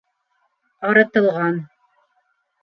- Арытылған...